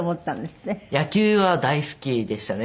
野球は大好きでしたね